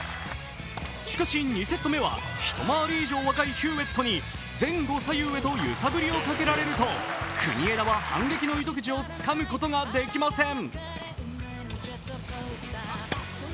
しかし２セット目は一回り以上若いヒューウェットに前後左右へと揺さぶりをかけられると、国枝は反撃の糸口をつかむことができません。